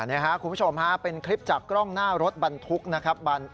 นี่ครับคุณผู้ชมฮะเป็นคลิปจากกล้องหน้ารถบรรทุกนะครับ